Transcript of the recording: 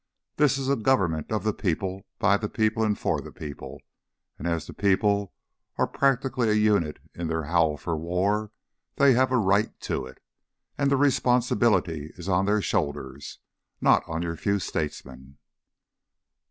This is a government of the people, by the people, and for the people, and as the people are practically a unit in their howl for war, they have a right to it, and the responsibility is on their shoulders, not on your few statesmen."